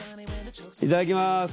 いただきます。